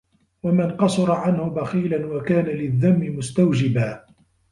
وَمَنْ قَصُرَ عَنْهُ بَخِيلًا وَكَانَ لِلذَّمِّ مُسْتَوْجِبًا